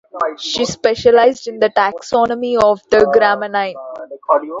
She specialized in the taxonomy of the "Gramineae".